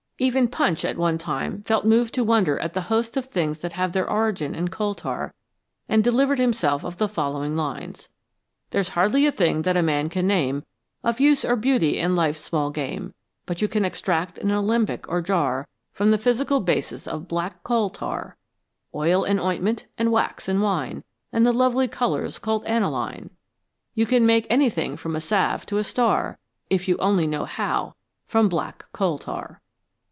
Even Punch at one time felt moved to wonder at the host of things that have their origin in coal tar, and delivered himself of the following lines :" There's hardly a thing that a man can name Of use or beauty in life's small game But you can extract in alembic or jar From the ' physical basis ' of black coal tar. Oil and ointment, and wax and wine, And the lovely colours called aniline ; You can make anything from a salve to a star, If you only know how, from black coal tar."